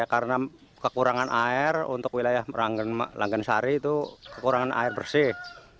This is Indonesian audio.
karena kekurangan air untuk wilayah langganan sari itu kekurangan air bersih